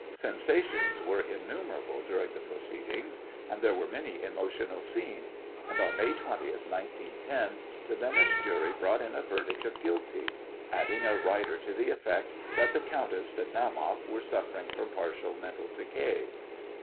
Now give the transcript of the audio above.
Sensations were innumerable during the proceedings and there were many emotional scenes, and on May 20th, 1910, the Venice jury brought in a verdict of guilty, adding a rider to the effect that the countess and Naumoff were suffering from partial mental decay.